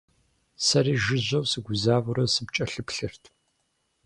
Сэри жыжьэу сыгузавэурэ сыпкӀэлъыплъырт.